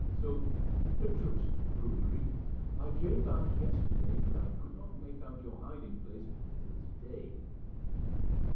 So a truce to prudery! I came back yesterday, but I could not make out your hiding place till to day.